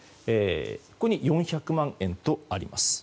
ここに４００万円とあります。